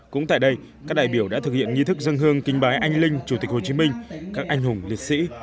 cũng tại đây các đại biểu đã thực hiện nghi thức dân hương kinh bái anh linh chủ tịch hồ chí minh các anh hùng liệt sĩ